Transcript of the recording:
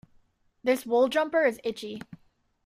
This wool jumper is itchy.